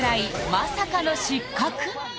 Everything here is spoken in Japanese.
まさかの失格！？